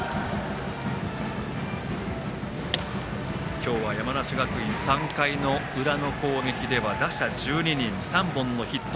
今日は山梨学院３回の裏の攻撃では打者１２人、３本のヒット。